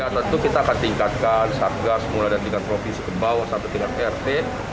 tentu kita akan tingkatkan sarga mulai dari tiga provinsi ke bawah satu tiga prt